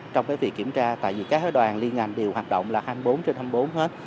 trong cái việc kiểm tra tại vì các hội đoàn liên hành đều hoạt động là hai mươi bốn trên hai mươi bốn hết